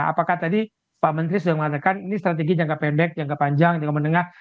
apakah tadi pak menteri sudah mengatakan ini strategi jangka pendek jangka panjang jangka menengah